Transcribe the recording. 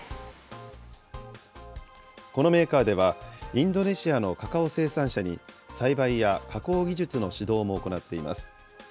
このメーカーではインドネシアのカカオ生産者に、栽培や加工技術の指導も行っています。